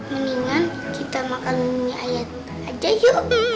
mendingan kita makan mie ayam aja yuk